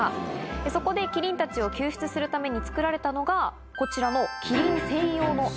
そこでキリンたちを救出するために作られたのがこちらの。